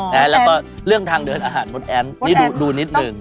แล้วก็เรื่องทางเดินอาหารมดแอมนี่ดูนิดหนึ่ง